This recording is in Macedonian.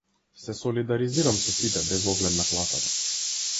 Се солидализирам со сите без оглед на класата.